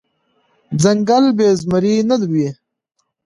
ځنګل بی زمري نه وي .